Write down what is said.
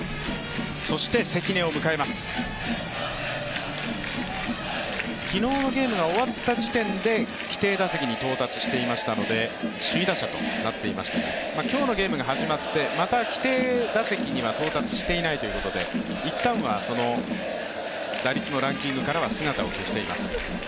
そして関根を迎えます、昨日のゲームが終わった時点で規定打席に到達していましたので首位打者となっていましたが今日のゲームが始まって、また規定打席には到達していないということで、一旦は、その打率のランキングからは姿を消しています。